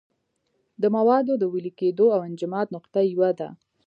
د موادو د ویلې کېدو او انجماد نقطه یوه ده.